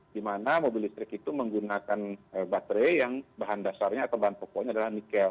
di mana mobil listrik itu menggunakan baterai yang bahan dasarnya atau bahan pokoknya adalah nikel